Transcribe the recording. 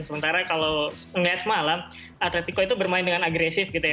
sementara kalau melihat semalam atletico itu bermain dengan agresif gitu ya